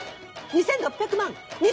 ２，６００万。